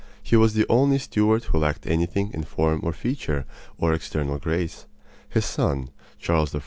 He was the only Stuart who lacked anything in form or feature or external grace. His son, Charles I.